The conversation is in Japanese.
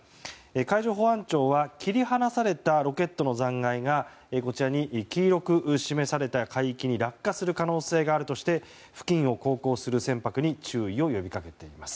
海上保安庁は切り離されたロケットの残骸がこちらに黄色く示された海域に落下する可能性があるとして付近を航行する船舶に注意を呼びかけています。